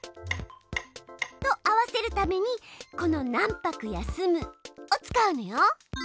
と合わせるためにこの「何拍休む」を使うのよ。